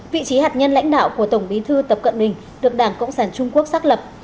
vị trí hạt nhân lãnh đạo của tổng bí thư tập cận bình được đảng cộng sản trung quốc xác lập